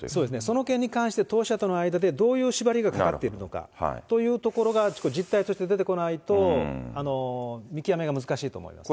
その件に関して、投資者との間でどういう縛りがかかっているのかというところがちょっと実態として出てこないと、見極めが難しいと思いますね。